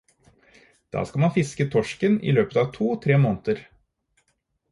Da skal man fiske torsken i løpet av to-tre måneder.